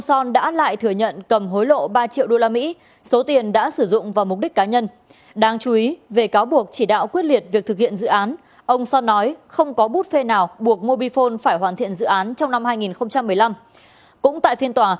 xin chào và hẹn gặp lại trong các bản tin tiếp theo